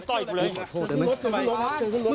ทางเพิ่มหาห้องกัน